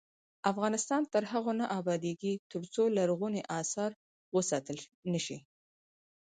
افغانستان تر هغو نه ابادیږي، ترڅو لرغوني اثار وساتل نشي.